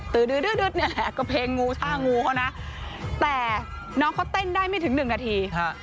นี่แหละก็เพลงงูซ่างูเขานะแต่น้องเขาเต้นได้ไม่ถึงหนึ่งนาที